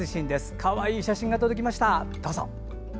かわいい写真が届きました。